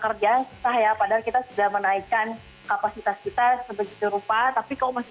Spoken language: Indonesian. kerjaan susah ya padahal kita sudah menaikkan kapasitas kita sebegitu rupa tapi kok masih